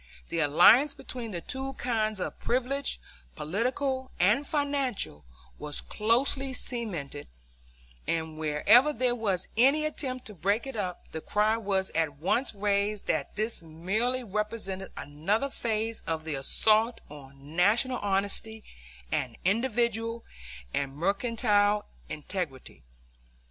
The alliance between the two kinds of privilege, political and financial, was closely cemented; and wherever there was any attempt to break it up, the cry was at once raised that this merely represented another phase of the assault on National honesty and individual and mercantile integrity.